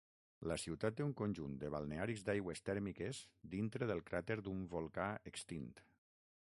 La ciutat té un conjunt de balnearis d'aigües tèrmiques dintre del cràter d'un volcà extint.